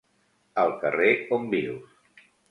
Al carrer on vius.